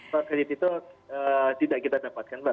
for fresh graduate itu tidak kita dapatkan mbak